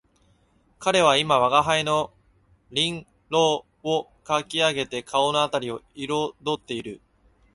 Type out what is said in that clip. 彼は今吾輩の輪廓をかき上げて顔のあたりを色彩っている